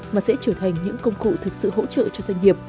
mà sẽ trở thành những công cụ thực sự hỗ trợ cho doanh nghiệp